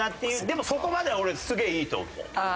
でもそこまでは俺すげえいいと思う。